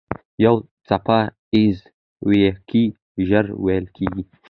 یو څپه ایز ويیکی ژر وېل کېږي.